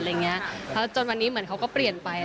แล้วจนวันนี้เหมือนเขาก็เปลี่ยนไป